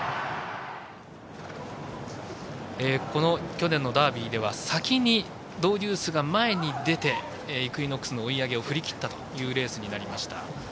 去年のダービーでは先にドウデュースが前に出てイクイノックスの追い上げを振り切ったというレースになりました。